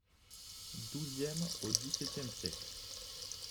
Douzième au dix-septième siècles.